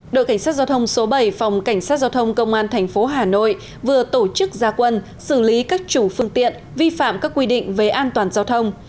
đội cảnh sát giao thông số bảy phòng cảnh sát giao thông công an tp hà nội vừa tổ chức gia quân xử lý các chủ phương tiện vi phạm các quy định về an toàn giao thông